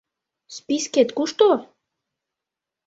Спискет кушто?»